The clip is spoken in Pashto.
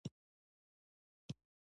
بوټونه که زاړه شي، د سپي ډوډۍ کېږي.